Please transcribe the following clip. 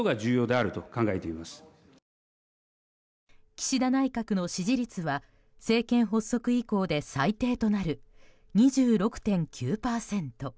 岸田内閣の支持率は政権発足以降で最低となる２６．９％。